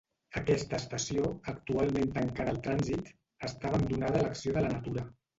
Aquesta estació, actualment tancada al trànsit, està abandonada a l'acció de la natura.